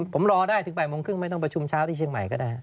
ผมรอได้ถึง๘โมงครึ่งไม่ต้องประชุมเช้าที่เชียงใหม่ก็ได้